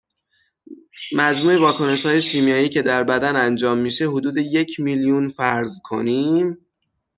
مجموع واکنشهای شیمیایی که در بدن انجام میشه، حدود یک میلیون فرض کنیم